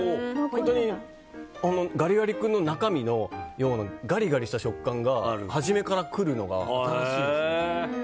本当にガリガリ君の中身みたいなガリガリした食感が初めからくるのが新しいです。